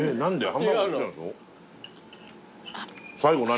最後何？